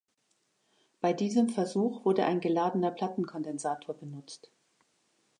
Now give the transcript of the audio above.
Bei diesem Versuch wurde ein geladener Plattenkondensator benutzt.